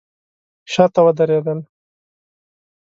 شاته ودرېدل.